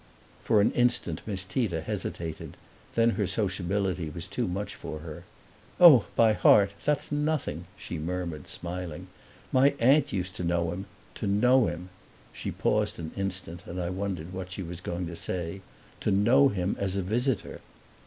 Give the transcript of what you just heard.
For an instant Miss Tita hesitated; then her sociability was too much for her. "Oh, by heart that's nothing!" she murmured, smiling. "My aunt used to know him to know him" she paused an instant and I wondered what she was going to say "to know him as a visitor."